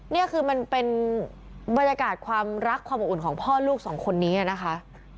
นี่คือมันเป็นบรรยากาศความรักความอบอุ่นของพ่อลูกสองคนนี้นะคะ